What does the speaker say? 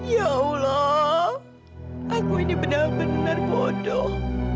ya allah aku ini benar benar bodoh